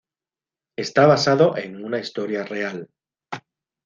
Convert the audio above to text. Está basado en una historia real.